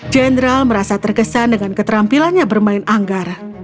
general itu merasa terkesan dengan keterampilannya bermain anggar